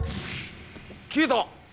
消えた！